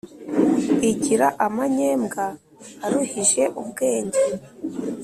Igira amanyembwa aruhije ubwenge!